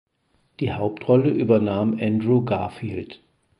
Die Hauptrolle übernahm Andrew Garfield.